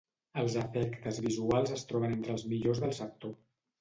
Els efectes visuals es troben entre els millors del sector.